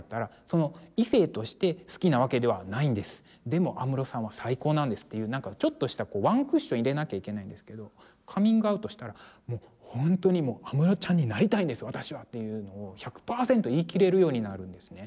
でも安室さんは最高なんですっていうなんかちょっとしたワンクッションを入れなきゃいけないんですけどカミングアウトしたら「もうほんとに安室ちゃんになりたいんです私は」っていうのを１００％言い切れるようになるんですね。